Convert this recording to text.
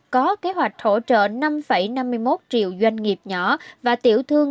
có kế hoạch hỗ trợ năm năm mươi một triệu doanh nghiệp nhỏ và tiểu thương